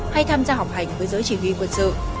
hay tham gia học hành với giới chỉ huy quân sự